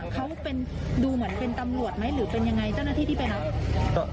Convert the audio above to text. เขาเป็นดูเหมือนเป็นตำรวจไหมหรือเป็นยังไงเจ้าหน้าที่ที่ไปรับ